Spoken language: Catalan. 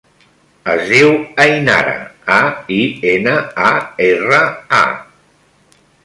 Es diu Ainara: a, i, ena, a, erra, a.